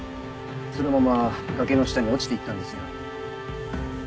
そのまま崖の下に落ちていったんですよ。